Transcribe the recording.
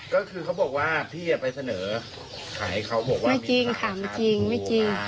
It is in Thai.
ก็คือเขาบอกว่าพี่ไปเสนอขายให้เขาบอกว่ามีขาดทุน